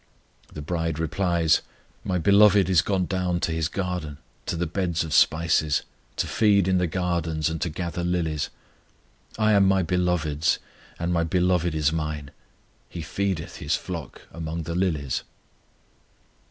The bride replies: My Beloved is gone down to His garden, to the beds of spices, To feed in the gardens, and to gather lilies. I am my Beloved's, and my Beloved is mine: He feedeth His flock among the lilies.